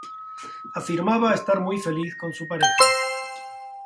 Afirmaba estar muy feliz con su pareja.